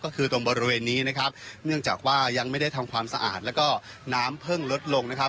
ก็คือตรงบริเวณนี้นะครับเนื่องจากว่ายังไม่ได้ทำความสะอาดแล้วก็น้ำเพิ่งลดลงนะครับ